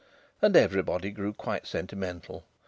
And everybody grew quite sentimental.